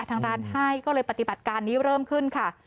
ทางร้านให้ก็เลยปฏิบัติการนี้เริ่มขึ้นค่ะ